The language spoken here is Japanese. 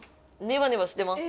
ネバネバしてます。